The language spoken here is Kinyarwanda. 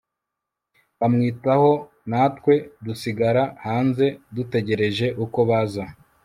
bamwitaho natwe dusigara hanze dutegereje uko baza